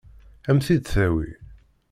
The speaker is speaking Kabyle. Ad m-t-id-tawi?